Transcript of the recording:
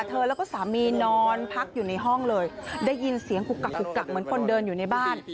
แล้วก็สามีนอนพักอยู่ในห้องเลยได้ยินเสียงกุกกักกุกกักเหมือนคนเดินอยู่ในบ้าน